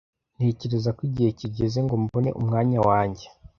Ntekereza ko igihe kigeze ngo mbone umwanya wanjye.